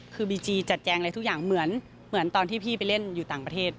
คือบีจีจัดแจงอะไรทุกอย่างเหมือนตอนที่พี่ไปเล่นอยู่ต่างประเทศ